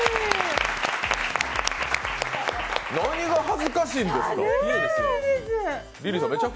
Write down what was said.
何が恥ずかしいんですか？